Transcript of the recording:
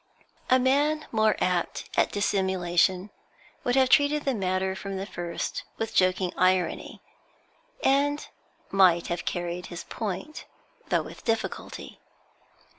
A man more apt at dissimulation would have treated the matter from the first with joking irony, and might have carried his point, though with difficulty.